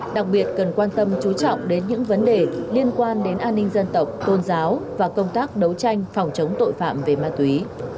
đặc biệt cần quan tâm chú trọng đến những vấn đề liên quan đến an ninh dân tộc tôn giáo và công tác đấu tranh phòng chống tội phạm về ma túy